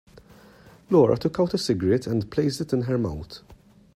Laura took out a cigarette and placed it in her mouth.